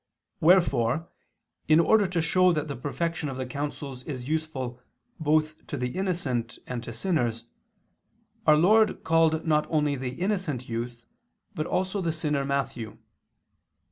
Wherefore in order to show that the perfection of the counsels is useful both to the innocent and to sinners, our Lord called not only the innocent youth but also the sinner Matthew.